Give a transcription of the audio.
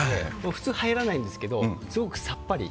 普通入らないんですけどすごくさっぱり。